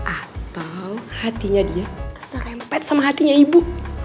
atau hatinya dia keserempet sama hatinya ibu